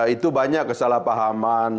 itu banyak kesalahpahaman